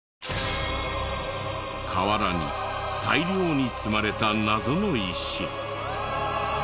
河原に大量に積まれた謎の石。